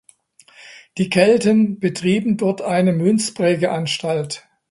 Die Kelten betrieben dort eine Münzprägeanstalt.